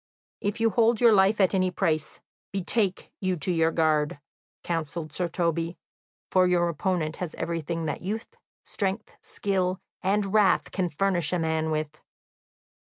"If you hold your life at any price, betake you to your guard," counselled Sir Toby, "for your opponent has everything that youth, strength, skill, and wrath can furnish a man with."